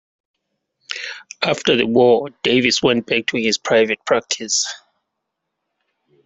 After the war, Davies went back to his private practice.